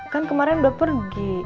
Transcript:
kan kemarin udah pergi